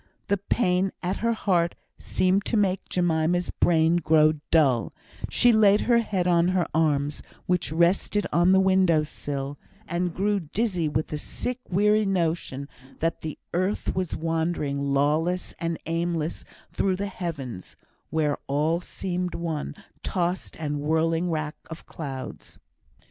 The pain at her heart seemed to make Jemima's brain grow dull; she laid her head on her arms, which rested on the window sill, and grew dizzy with the sick weary notion that the earth was wandering lawless and aimless through the heavens, where all seemed one tossed and whirling wrack of clouds.